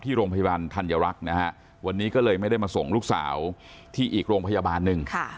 โรงพยาบาลธัญรักษ์นะฮะวันนี้ก็เลยไม่ได้มาส่งลูกสาวที่อีกโรงพยาบาลหนึ่ง